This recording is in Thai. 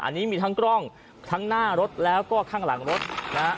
อันนี้มีทั้งกล้องทั้งหน้ารถแล้วก็ข้างหลังรถนะฮะ